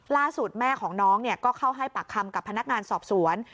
ล่าสุดแม่ของน้องเนี่ยก็เข้าให้ปากคำกับพนักงานสอบสวน